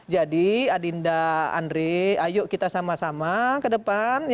jadi adinda andre ayo kita sama sama ke depan